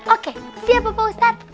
oke siap bapak ustaz